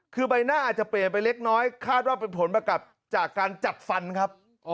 คือใบหน้าอาจจะเปลี่ยนไปเล็กน้อยคาดว่าเป็นผลมากับจากการจัดฟันครับ